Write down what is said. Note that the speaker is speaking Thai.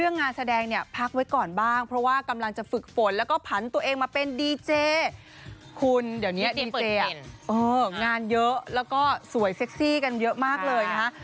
งานเยอะแล้วก็สวยเซ็กซี่กันเยอะมากเลยนะคะ